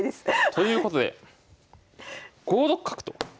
ということで５六角と。